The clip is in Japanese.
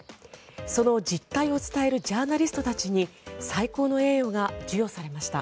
その実態を伝えるジャーナリストたちに最高の栄誉が授与されました。